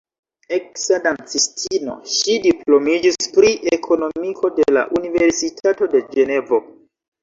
Eksa dancistino, ŝi diplomiĝis pri ekonomiko en la Universitato de Ĝenevo.